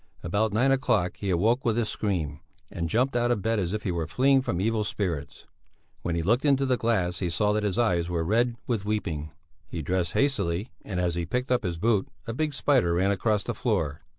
About nine o'clock he awoke with a scream, and jumped out of bed as if he were fleeing from evil spirits. When he looked into the glass he saw that his eyes were red with weeping. He dressed hastily and as he picked up his boot, a big spider ran across the floor.